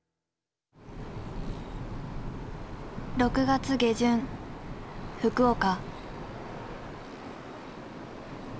６月下旬福岡。